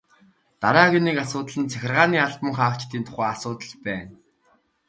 Дараагийн нэг асуудал нь захиргааны албан хаагчдын тухай асуудал байна.